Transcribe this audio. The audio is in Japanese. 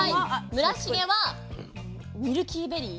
村重はミルキーベリーいきます。